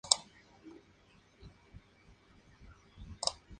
Entonces, es el turno de la nueva generación para ganar.